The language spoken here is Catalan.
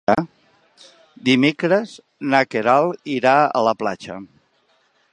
Dimecres na Queralt irà a la platja.